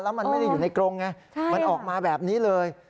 แล้วมันไม่ได้อยู่ในกรงไงมันออกมาแบบนี้เลย